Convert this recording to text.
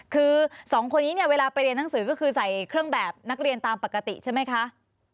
คือสองคนนี้เนี่ยเวลาไปเรียนหนังสือก็คือใส่เครื่องแบบนักเรียนตามปกติใช่ไหมคะ